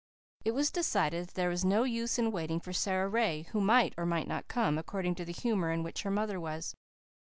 It was decided that there was no use in waiting for Sara Ray, who might or might not come, according to the humour in which her mother was.